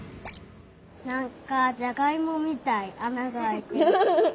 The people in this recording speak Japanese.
なんかじゃがいもみたいあながあいてて。